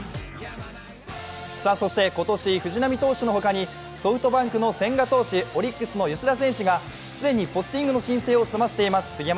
今年、藤浪投手の他にソフトバンクの千賀投手、オリックスの吉田選手が既にポスティングの申請を済ませています。